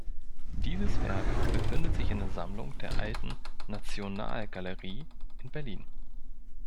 Dieses Werk befindet sich in der Sammlung der Alten Nationalgalerie in Berlin.